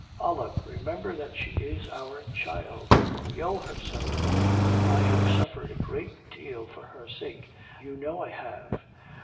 'Olive, remember that she is our child; we owe her something. I have suffered a great deal for her sake; you know I have.